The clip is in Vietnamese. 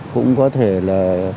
cũng có thể là